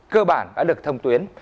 cơ bản đã được thông tuyến